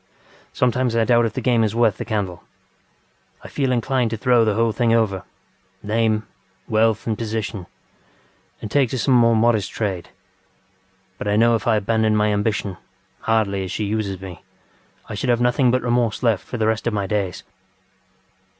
Sometimes I doubt if the game is worth the candle. I feel inclined to throw the whole thing overŌĆöname, wealth and positionŌĆöand take to some modest trade. But I know if I abandoned my ambitionŌĆöhardly as she uses meŌĆöI should have nothing but remorse left for the rest of my days.